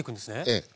ええ。